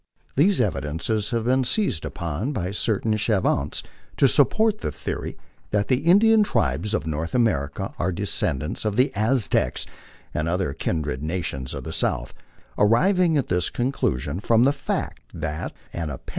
These evidences have been seized upon by certain savants to support the theory that the Indian tribes of North America are descendants of the Aztecs and other kin dred nations of the south arriving at this conclusion from the fact of an appar